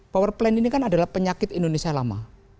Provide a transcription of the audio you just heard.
power plan ini kan adalah penyakit indonesia lama